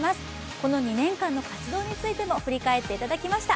この２年間の活動についても振り返っていただきました。